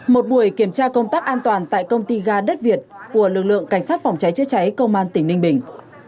một buổi kiểm tra công tác an toàn tại công ty ga đất việt của lực lượng cảnh sát phòng cháy chữa cháy công an tỉnh ninh bình